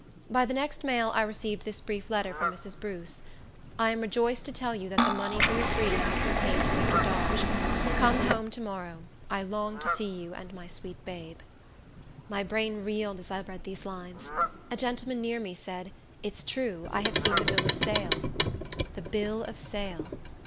By the next mail I received this brief letter from Mrs. Bruce: "I am rejoiced to tell you that the money for your freedom has been paid to Mr. Dodge. Come home to morrow. I long to see you and my sweet babe." My brain reeled as I read these lines. A gentleman near me said, "It's true; I have seen the bill of sale." "The bill of sale!"